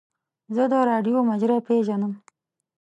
زه د راډیو مجری پیژنم.